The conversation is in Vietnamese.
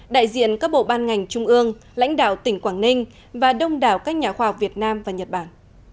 đại diện các bộ ban ngành trung ương lãnh đạo tỉnh quảng ninh và đông đảo các nhà khoa học việt nam và nhật bản